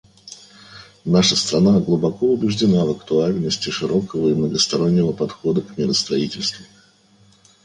Наша страна глубоко убеждена в актуальности широкого и многостороннего подхода к миростроительству.